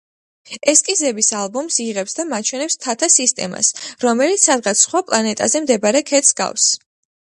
ესკიზების ალბომს იღებს და მაჩვენებს მთათა სისტემას, რომელიც სადღაც სხვა პლანეტაზე მდებარე ქედს ჰგავს.